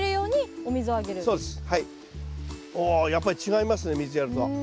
おやっぱり違いますね水やると。